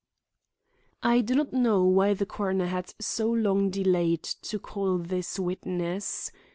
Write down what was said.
I do not know why the coroner had so long delayed to call this witness.